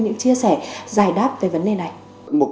những chia sẻ giải đáp về vấn đề này